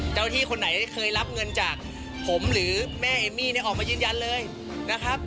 เจ้าที่คนไหนเคยรับเงินจากผมหรือแม่เอมมี่เนี่ยออกมายืนยันเลยนะครับ